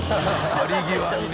去り際にね。